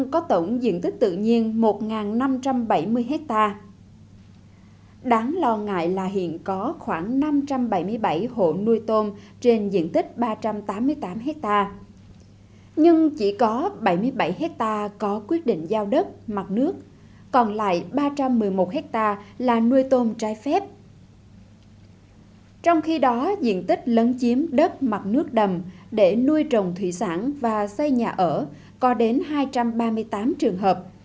có tổng diện tích tự nhiên mà người dân sinh sống ven đầm xã nước rác thải sinh hoạt trực tiếp xuống đầm